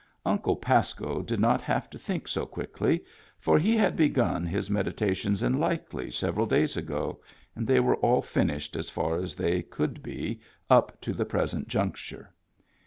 Uncle Pasco did not have to think so quickly, for he had begun his medita tions in Likely several days ago, and they were all finished as far as they could be up to the present juncture.